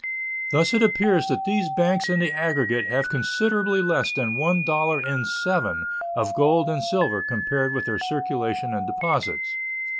Thus it appears that these banks in the aggregate have considerably less than one dollar in seven of gold and silver compared with their circulation and deposits.